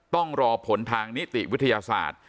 ต้องรอผลทางนิติวิทยาศาสตร์